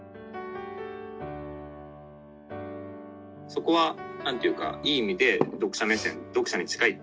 「そこはなんていうかいい意味で読者目線読者に近いっていうことを」。